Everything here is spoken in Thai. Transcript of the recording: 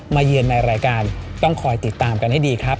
เยือนในรายการต้องคอยติดตามกันให้ดีครับ